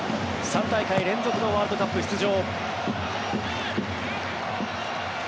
３大会連続のワールドカップ出場。